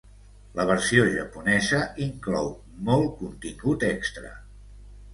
La versió japonesa inclou molt contingut extra.